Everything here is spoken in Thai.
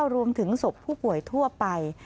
รวมถึงศพผู้ป่วยทั่วไป